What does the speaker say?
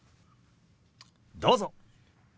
どうぞ。